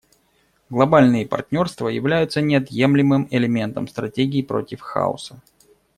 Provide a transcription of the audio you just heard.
Глобальные партнерства являются неотъемлемым элементом стратегии против хаоса.